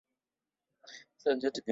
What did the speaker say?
Wawekezaji wakija watu wengi watapata ajira